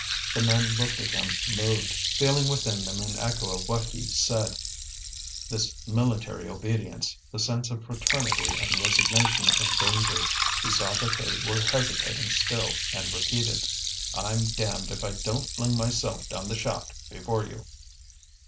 The men looked at him moved, feeling within them an echo of what he said, this military obedience, the sense of fraternity and resignation in danger. He saw that they were hesitating still, and repeated: "I'm damned if I don't fling myself down the shaft before you!"